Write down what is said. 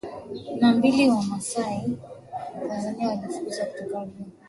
na mbili Wamasai wa Tanzania walifukuzwa kutoka ardhi yenye rutuba kati ya Mlima Meru